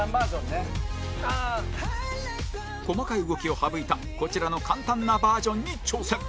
細かい動きを省いたこちらの簡単なバージョンに挑戦